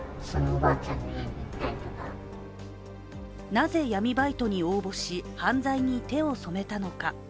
なぜ闇バイトに応募し、犯罪に手を染めたのか。